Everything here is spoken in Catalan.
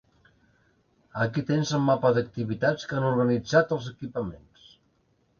Aquí tens el mapa d'activitats que han organitzat els equipaments.